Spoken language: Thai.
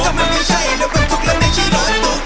ถ้ามันไม่ใช่รถบรรทุกแล้วไม่ใช่รถตุ๊ก